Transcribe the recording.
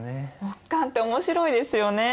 木簡って面白いですよね。